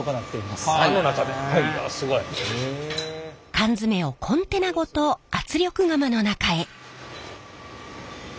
缶詰をコンテナごと圧力釜の中へ。